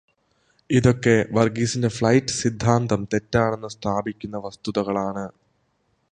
ഇതൊക്കെ വർഗീസിന്റെ ഫ്ലൈറ്റ് സിദ്ധാന്തം തെറ്റാണെന്നു സ്ഥാപിക്കുന്ന വസ്തുതകളാണ്.